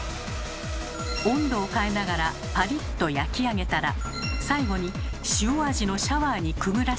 温度を変えながらパリッと焼き上げたら最後に塩味のシャワーにくぐらせて味付け。